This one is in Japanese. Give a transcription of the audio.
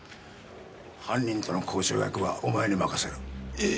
犯人との交渉役はお前に任せる。え！？